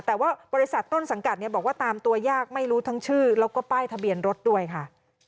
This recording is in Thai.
แต่ว่าบริษัทต้นสังกัดเนี่ยบอกว่าตามตัวยากไม่รู้ทั้งชื่อแล้วก็ป้ายทะเบียนรถด้วยค่ะ